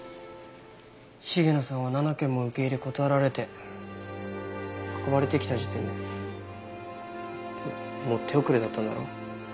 重野さんは７軒も受け入れ断られて運ばれてきた時点でもう手遅れだったんだろ。